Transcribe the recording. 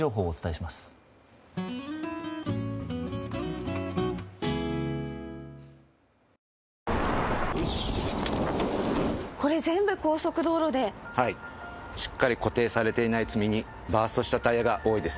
しっかり固定されていない積み荷バーストしたタイヤが多いですね。